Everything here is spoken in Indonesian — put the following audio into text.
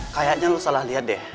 kayaknya lo salah liat deh